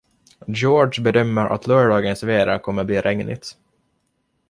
George bedömer att lördagens väder kommer bli regnigt.